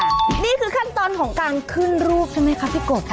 นี่คือขั้นตอนของการขึ้นรูปใช่ไหมคะพี่กบค่ะ